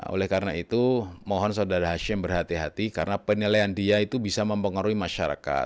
oleh karena itu mohon saudara hashim berhati hati karena penilaian dia itu bisa mempengaruhi masyarakat